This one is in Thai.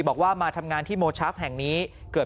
บอกว่ามาทำงานที่โมชาฟแห่งนี้เกิด